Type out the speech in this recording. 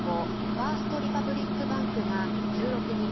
ファースト・リパブリック・バンクが１６日